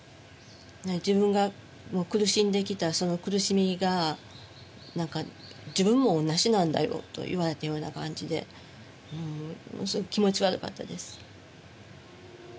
自分が苦しんできたその苦しみが自分も同じなんだよと言われたような感じでものすごく気持ち悪かったです